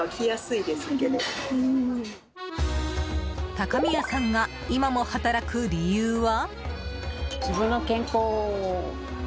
高宮さんが今も働く理由は？